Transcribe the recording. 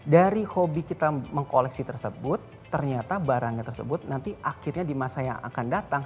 dari hobi kita mengkoleksi tersebut ternyata barangnya tersebut nanti akhirnya di masa yang akan datang